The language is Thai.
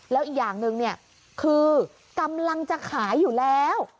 แล้วอีกอย่างหนึ่งเนี่ยคือกำลังจะขายอยู่แล้ว